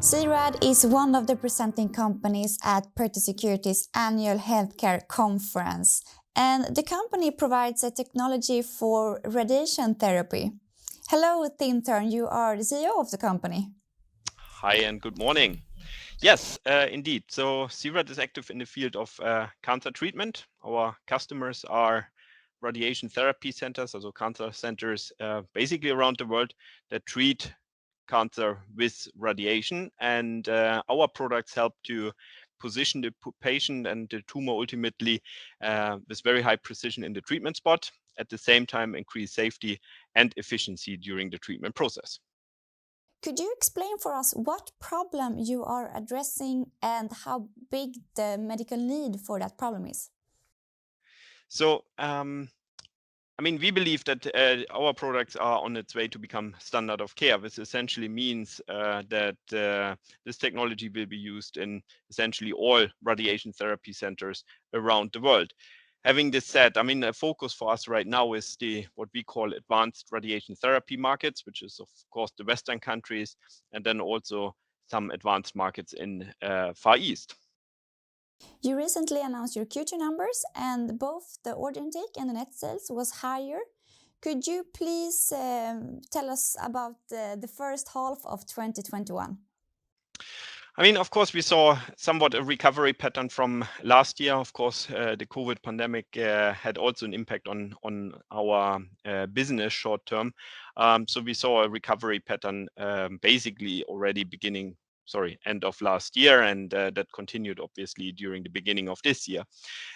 C-RAD is one of the presenting companies at Pareto Securities' Annual Healthcare Conference, and the company provides a technology for radiation therapy. Hello, Tim Thurn, you are the CEO of the company. Hi and good morning. Yes, indeed. C-RAD is active in the field of cancer treatment. Our customers are radiation therapy centers, also cancer centers, basically around the world that treat cancer with radiation. Our products help to position the patient and the tumor, ultimately, with very high precision in the treatment spot. At the same time, increase safety and efficiency during the treatment process. Could you explain for us what problem you are addressing and how big the medical need for that problem is? We believe that our products are on its way to become standard of care, which essentially means that this technology will be used in essentially all radiation therapy centers around the world. Having this said, the focus for us right now is the, what we call advanced radiation therapy markets, which is, of course, the Western countries and then also some advanced markets in Far East. You recently announced your Q2 numbers, and both the order intake and the net sales was higher. Could you please tell us about the first half of 2021? Of course, we saw somewhat a recovery pattern from last year. Of course, the COVID pandemic had also an impact on our business short-term. We saw a recovery pattern, basically already end of last year, and that continued obviously during the beginning of this year.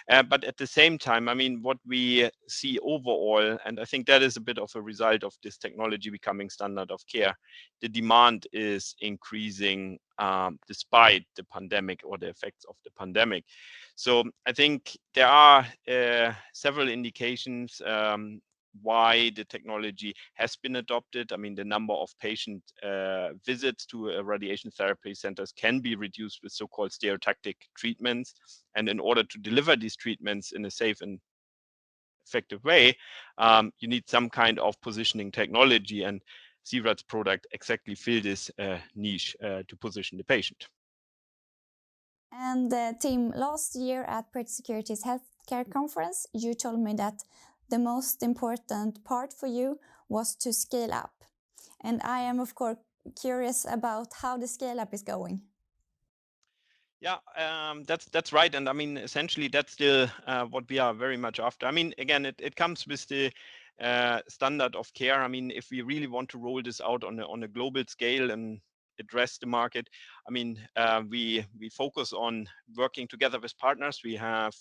At the same time, what we see overall, and I think that is a bit of a result of this technology becoming standard of care, the demand is increasing, despite the pandemic or the effects of the pandemic. I think there are several indications why the technology has been adopted. The number of patient visits to radiation therapy centers can be reduced with so-called stereotactic treatments. In order to deliver these treatments in a safe and effective way, you need some kind of positioning technology and C-RAD's product exactly fill this niche to position the patient. Tim, last year at Pareto Securities Healthcare Conference, you told me that the most important part for you was to scale up. I am, of course, curious about how the scale-up is going. Yeah. That's right. Essentially, that's still what we are very much after. Again, it comes with the standard of care. If we really want to roll this out on a global scale and address the market, we focus on working together with partners. We have,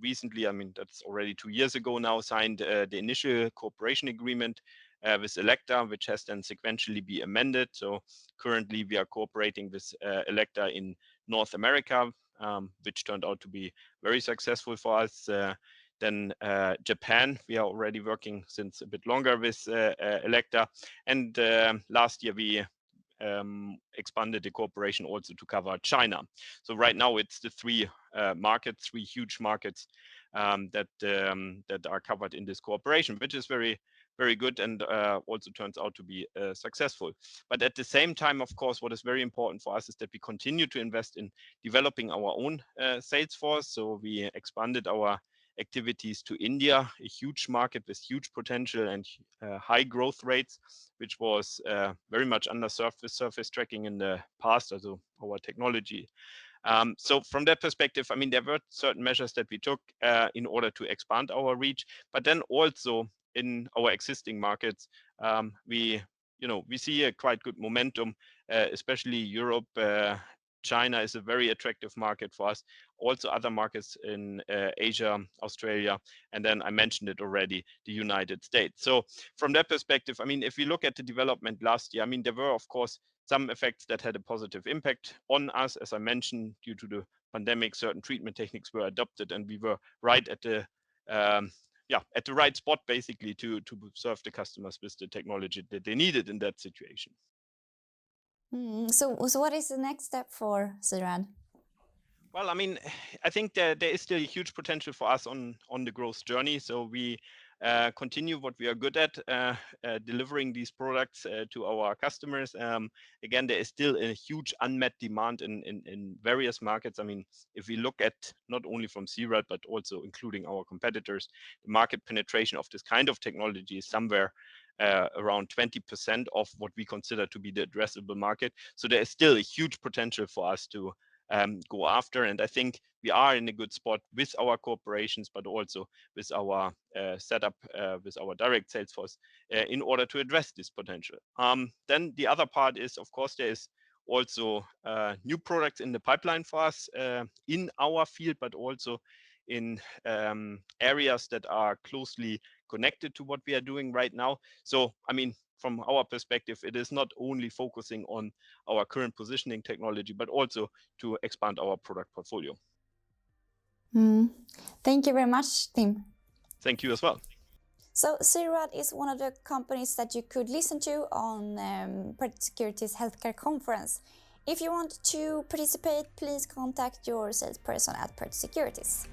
recently, that's already two years ago now, signed the initial cooperation agreement with Elekta, which has then sequentially be amended. Currently, we are cooperating with Elekta in North America, which turned out to be very successful for us. Japan, we are already working since a bit longer with Elekta, and last year we expanded the cooperation also to cover China. Right now it's the three huge markets that are covered in this cooperation, which is very good and also turns out to be successful. At the same time, of course, what is very important for us is that we continue to invest in developing our own sales force. We expanded our activities to India, a huge market with huge potential and high growth rates, which was very much under surface tracking in the past as our technology. From that perspective, there were certain measures that we took in order to expand our reach. Also in our existing markets, we see a quite good momentum, especially Europe. China is a very attractive market for us, also other markets in Asia, Australia, and then I mentioned it already, the United States. From that perspective, if we look at the development last year, there were, of course, some effects that had a positive impact on us. As I mentioned, due to the pandemic, certain treatment techniques were adopted, and we were at the right spot basically to serve the customers with the technology that they needed in that situation. What is the next step for C-RAD? I think there is still a huge potential for us on the growth journey. We continue what we are good at, delivering these products to our customers. Again, there is still a huge unmet demand in various markets. If we look at not only from C-RAD, but also including our competitors, the market penetration of this kind of technology is somewhere around 20% of what we consider to be the addressable market. There is still a huge potential for us to go after, and I think we are in a good spot with our corporations, but also with our setup, with our direct sales force, in order to address this potential. The other part is, of course, there is also new products in the pipeline for us, in our field, but also in areas that are closely connected to what we are doing right now. From our perspective, it is not only focusing on our current positioning technology, but also to expand our product portfolio. Thank you very much, Tim. Thank you as well. C-RAD is one of the companies that you could listen to on Pareto Securities Healthcare Conference. If you want to participate, please contact your salesperson at Pareto Securities.